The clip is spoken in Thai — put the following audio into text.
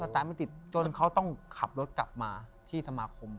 ตามไม่ติดจนเขาต้องขับรถกลับมาที่สมาคม